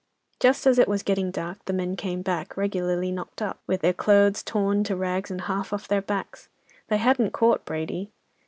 Just as it was getting dark, the men came back, regularly knocked up, with their clothes torn to rags and half off their backs. They hadn't caught Brady.